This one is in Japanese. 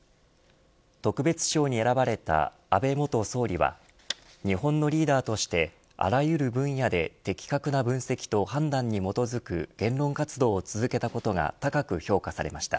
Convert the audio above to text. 特別賞に選ばれた安倍元総理は日本のリーダーとしてあらゆる分野で的確な分析と判断に基づく言論活動を続けたことが高く評価されました。